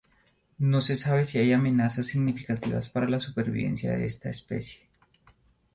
No se sabe si hay amenazas significativas para la supervivencia de esta especie.